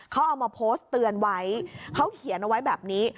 เขาเอามาโพสต์เตือนไว้เขาเขียนเอาไว้แบบนี้